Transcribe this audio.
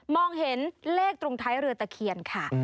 เห็นเลขตรงท้ายเรือตะเคียนค่ะ